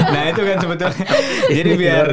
nah itu kan sebetulnya